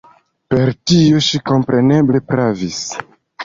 Per tio ŝi kompreneble pravis.